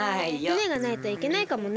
ふねがないといけないかもね。